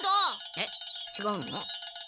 えっちがうの？